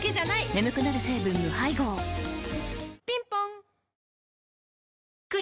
眠くなる成分無配合ぴんぽん